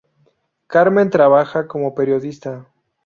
Carmen trabaja como periodista.